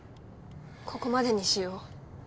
ここまでにしよう。